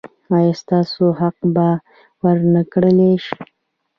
ایا ستاسو حق به ور نه کړل شي؟